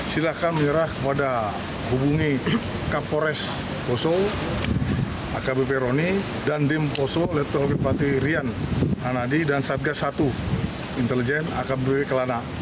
silahkan menyerah kepada hubungi kepolisian poso akb peroni dan dim poso leptogepatri rian anadi dan satgas satu intelijen akb kelana